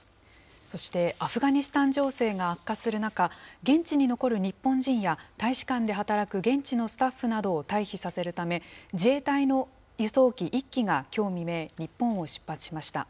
そしてアフガニスタン情勢が悪化する中、現地に残る日本人や大使館で働く現地のスタッフなどを退避させるため、自衛隊の輸送機１機がきょう未明、日本を出発しました。